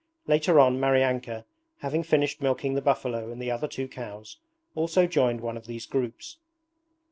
Later on Maryanka, having finished milking the buffalo and the other two cows, also joined one of these groups.